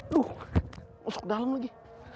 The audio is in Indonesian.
aduh masuk ke dalam lagi